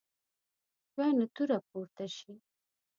بیا نه توره پورته شي.